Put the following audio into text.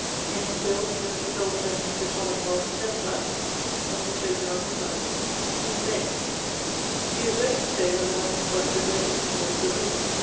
In his will he left his old friend Mr. Thomas Hobbes 10 li. as a token of his love. His sayings. He was wont to say that man was but a great mischievous baboon.